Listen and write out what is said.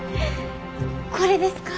これですか？